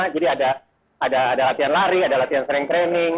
jadi ada latihan lari ada latihan strength training